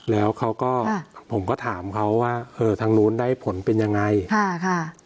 แล้วเขาก็ผมก็ถามเขาว่าเออทางนู้นได้ผลเป็นยังไงค่ะค่ะ